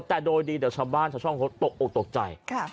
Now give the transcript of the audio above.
แต่โดยดีเดี๋ยวชาวบ้านชาวช่องเขาตกออกตกใจ